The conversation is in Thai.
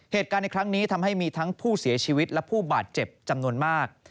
เหตุการณ์ในครั้งนี้ทำให้มีทั้งผู้เสียชีวิตและผู้บาดเจ็บจำนวนมาก